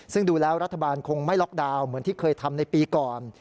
ซึ่งดูแล้วรัฐบาลคงไม่ล็อกดาวน์เหมือนที่เคยทำในปีก่อน